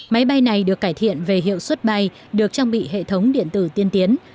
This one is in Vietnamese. máy bay này được cải thiện về hiệu suất bay được trang bị hệ thống điện tử tiên tiến